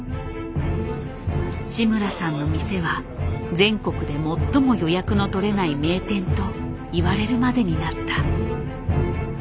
志村さんの店は全国で最も予約の取れない名店といわれるまでになった。